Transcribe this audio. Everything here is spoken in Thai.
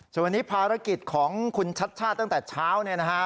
ส่วนวันนี้ภารกิจของคุณชัดชาติตั้งแต่เช้าเนี่ยนะฮะ